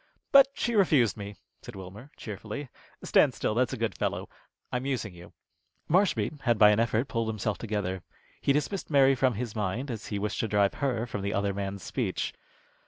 "But she refused me," said Wilmer, cheerfully. "Stand still, that's a good fellow. I'm using you." Marshby had by an effort pulled himself together. He dismissed Mary from his mind, as he wished to drive her from the other man's speech.